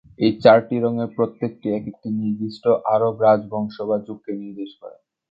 এই চারটি রঙের প্রত্যেকটি একেকটি নির্দিষ্ট আরব রাজবংশ বা যুগকে নির্দেশ করে।